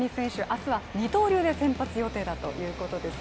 明日は二刀流で先発予定だということです